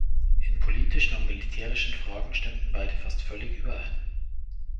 In politischen und militärischen Fragen stimmten beide fast völlig überein.